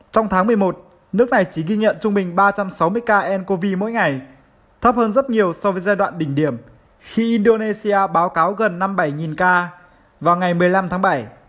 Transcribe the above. trong tháng một mươi một nước này chỉ ghi nhận trung bình ba trăm sáu mươi ca ncov mỗi ngày thấp hơn rất nhiều so với giai đoạn đỉnh điểm khi indonesia báo cáo gần năm mươi bảy ca vào ngày một mươi năm tháng bảy